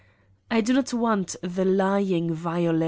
I do not want the lying violins.